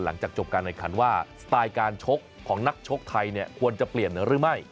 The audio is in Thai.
หลังจากจบการนานในสถานการชกของนักชกไทยเนี่ยควรจะเปลี่ยนหรือไม่